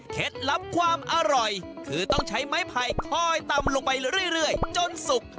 ลับความอร่อยคือต้องใช้ไม้ไผ่คอยตำลงไปเรื่อยจนสุก